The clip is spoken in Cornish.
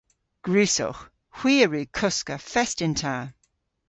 Gwrussowgh. Hwi a wrug koska fest yn ta.